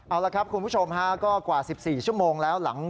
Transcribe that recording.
เอาละครับคุณผู้ชมฮะก็กว่าสิบสี่ชั่วโมงแล้ว